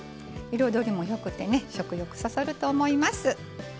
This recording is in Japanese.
彩りもよくて食欲そそると思います。